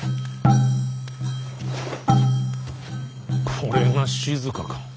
これが静か。